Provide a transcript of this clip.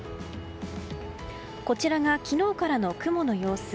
こちらが昨日からの雲の様子。